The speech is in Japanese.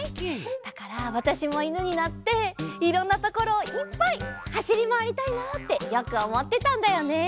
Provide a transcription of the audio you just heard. だからわたしもいぬになっていろんなところをいっぱいはしりまわりたいなってよくおもってたんだよね。